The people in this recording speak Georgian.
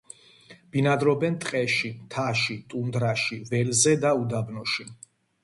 ბინადრობენ ტყეში, მთაში, ტუნდრაში, ველზე და უდაბნოში.